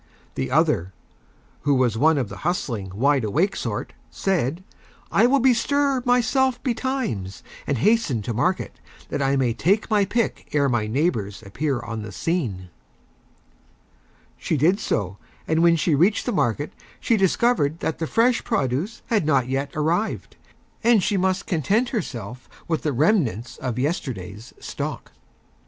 The Other, who was One of the Hustling, Wide awake Sort, said: "I will Bestir myself Betimes and Hasten to Market that I may Take my Pick ere my Neighbors appear on the Scene." She did so, and when she Reached the Market she Discovered that the Fresh Produce had not yet Arrived, and she must Content herself with the Remnants of Yesterday's Stock.